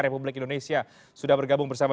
republik indonesia sudah bergabung bersama